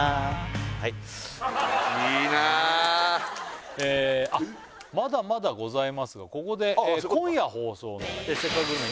はいまだまだございますがここで今夜放送の「せっかくグルメ！！」